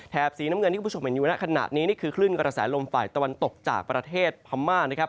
สีน้ำเงินที่คุณผู้ชมเห็นอยู่ในขณะนี้นี่คือคลื่นกระแสลมฝ่ายตะวันตกจากประเทศพม่านะครับ